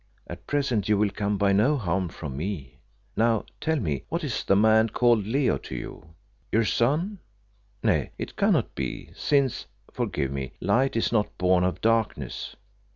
At present you will come by no harm from me. Now, tell me what is the man called Leo to you? Your son? Nay, it cannot be, since forgive me light is not born of darkness."